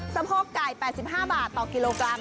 สะโพกไก่๘๕บาทต่อกิโลกรัม